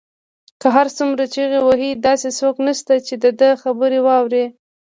که هر څو چیغې وهي داسې څوک نشته، چې د ده خبره واوري